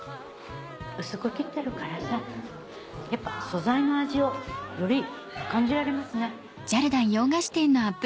薄く切ってるからさやっぱ素材の味をより感じられますね。